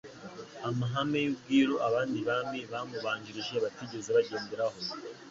amahame y'ubwiru abandi bami bamubanjirije batigeze bagenderaho.